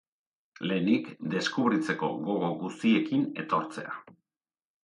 Lehenik, deskubritzeko gogo guziekin etortzea.